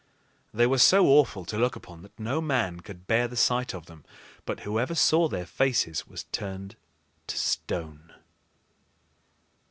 They were so awful to look upon, that no man could bear the sight of them, but whoever saw their faces was turned to stone.